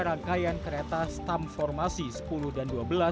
rangkaian kereta stam formasi sepuluh dan dua belas